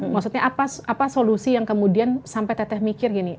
maksudnya apa solusi yang kemudian sampai teteh mikir gini